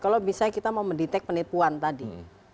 kalau misalnya kita mau mendetect penipuan tadi